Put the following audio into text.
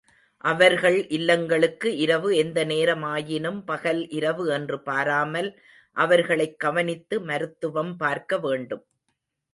அவர்கள் இல்லங்களுக்கு இரவு எந்த நேரமாயினும் பகல் இரவு என்று பாராமல், அவர்களைக் கவனித்து மருத்துவம் பார்க்க வேண்டும்.